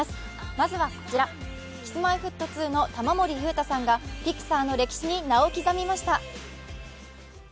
まずはこちら、Ｋｉｓ−Ｍｙ−Ｆｔ２の玉森裕太さんがピクサーの歴史に名を刻みました。